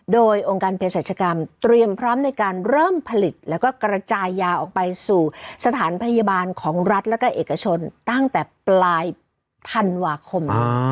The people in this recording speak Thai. โดยองค์การเพศรัชกรรมเตรียมพร้อมในการเริ่มผลิตแล้วก็กระจายยาออกไปสู่สถานพยาบาลของรัฐและก็เอกชนตั้งแต่ปลายธันวาคม